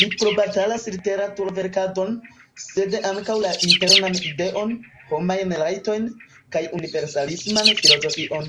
Li probatalas literaturverkadon, sed ankaŭ la Internan Ideon, homajn rajtojn, kaj universalisman filozofion.